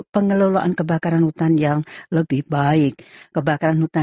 pemerintah dan ketua ketua